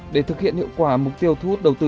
để thực hiện hiệu quả mục tiêu thu hút đầu tư